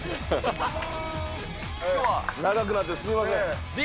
長くなってすみません。